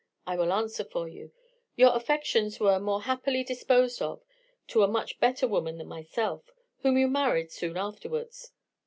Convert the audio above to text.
I will answer for you your affections were more happily disposed of to a much better woman than myself, whom you married soon afterwards.